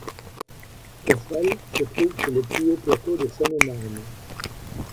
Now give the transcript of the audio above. Cocherel se trouve sur le plus haut plateau de Seine-et-Marne.